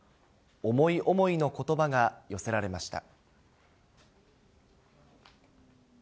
思い思いのことばが寄せられまし